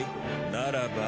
ならば。